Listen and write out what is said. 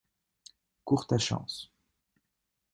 Cours ta chance